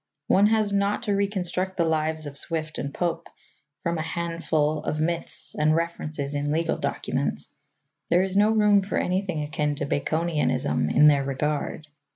One has not to reconstruct the lives of Swift and Pope from a handful of myths and references in legal documents. There is no room for anything akin to Baconianism in their regard.